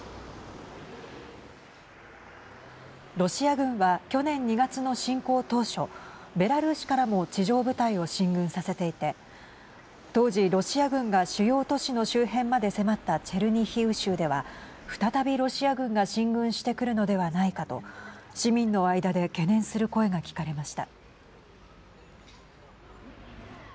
ロシア軍は去年２月の侵攻当初ベラルーシからも地上部隊を進軍させていて当時ロシア軍が主要都市の周辺まで迫ったチェルニヒウ州では再びロシア軍が進軍してくるのではないかと市民の間で懸念する声が聞かれました。